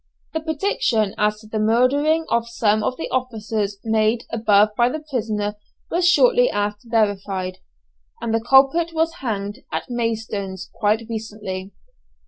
The prediction as to the murdering of some of the officers made above by the prisoner was shortly after verified, and the culprit was hanged at Maidstone quite recently.